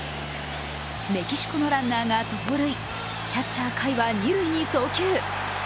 メキシコのランナーが盗塁、キャッチャー・甲斐は二塁に送球。